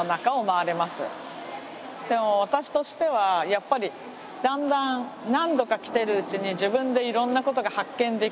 私としてはやっぱりだんだん何度か来てるうちに自分でいろんなことが発見できる。